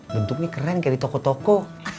bentuknya keren kayak di toko toko